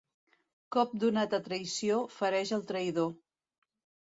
Cop donat a traïció, fereix el traïdor.